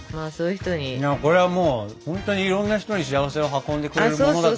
これはもうほんとにいろんな人に幸せを運んでくれるものだと思う。